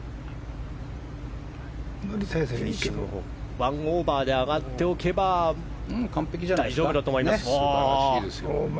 １オーバーで上がっておけば大丈夫だと思います。